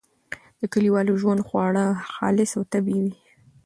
د کلیوالي ژوند خواړه خالص او طبیعي وي.